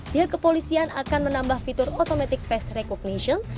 pihak kepolisian akan menambah fitur automatic face recognition